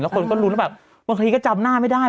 แล้วคนก็รู้แล้วแบบวันคลีก็จำหน้าไม่ได้